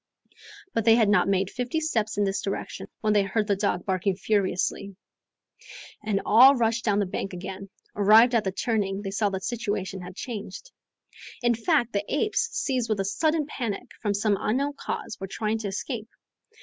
But they had not made fifty steps in this direction, when they heard the dog barking furiously. And all rushed down the bank again. Arrived at the turning, they saw that the situation had changed. In fact, the apes, seized with a sudden panic, from some unknown cause, were trying to escape.